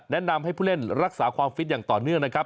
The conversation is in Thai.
แนะนำให้ผู้เล่นรักษาความฟิตอย่างต่อเนื่องนะครับ